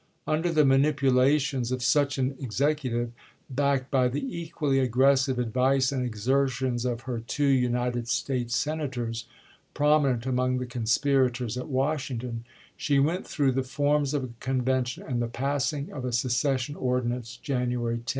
Under the manipulations of such an executive, backed by the equally aggressive advice and exertions of her two United States Senators, prominent among the con spirators at Washington, she went through the forms of a convention and the passing of a seces sion ordinance, January 10.